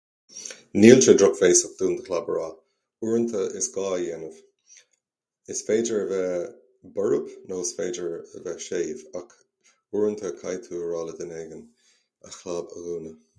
Níl sé drochbhéasach dún do chlab a rá. Uaireanta is gá é a dhéanamh. Is féidir a bheith borb nó is féidir a bheith séimh ach uaireanta caithfidh tú a rá le duine éigin a chlab a dhúnadh.